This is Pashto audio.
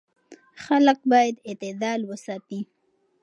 خلک باید اعتدال وساتي.